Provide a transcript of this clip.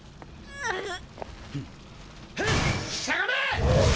うっ！